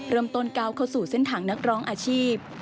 เริ่มต้นก้าวเข้าสู่เส้นทางนักร้องอาชีพ